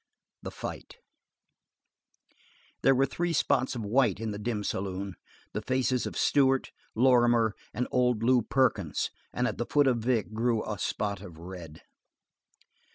The Fight There were three spots of white in the dim saloon, the faces of Stewart, Lorrimer, and old Lew Perkins, and at the feet of Vic grew a spot of red.